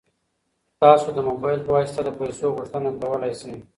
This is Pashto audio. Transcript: تاسو د موبایل په واسطه د پيسو غوښتنه کولی شئ.